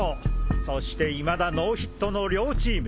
そしていまだノーヒットの両チーム。